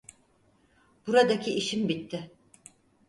Buradaki işim bitti.